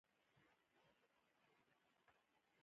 دویم دا چې یو شمېر دولتونو چټکه وده تجربه کړه.